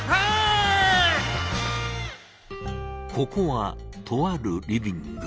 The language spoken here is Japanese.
ここはとあるリビング。